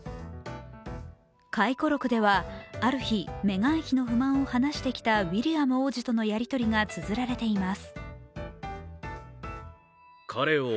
回顧録では、ある日、メガン妃の不満を話してきたウィリアム王子とのやり取りがつづられています。